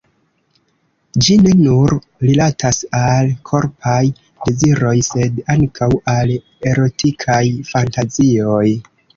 Ĝi ne nur rilatas al korpaj deziroj, sed ankaŭ al erotikaj fantazioj.